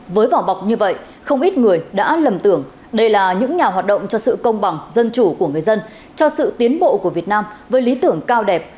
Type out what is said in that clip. với vỏ bọc như vậy không ít người đã lầm tưởng đây là những nhà hoạt động cho sự công bằng dân chủ của người dân cho sự tiến bộ của việt nam với lý tưởng cao đẹp